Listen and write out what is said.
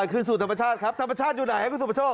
คืนสู่ธรรมชาติครับธรรมชาติอยู่ไหนครับคุณสุประโชค